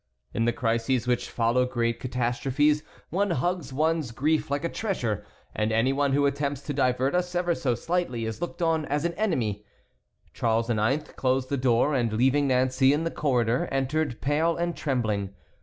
In the crises which follow great catastrophes one hugs one's grief like a treasure, and any one who attempts to divert us, ever so slightly, is looked on as an enemy. Charles IX. closed the door, and leaving Nancey in the corridor entered, pale and trembling.